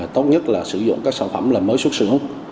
tốt nhất là sử dụng các sản phẩm mới xuất xứng